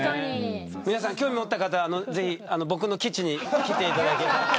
皆さん興味を持った方は僕の基地に来ていただいて。